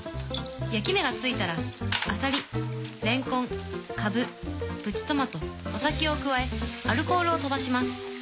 焼き目がついたらアサリレンコンカブプチトマトお酒を加えアルコールを飛ばします。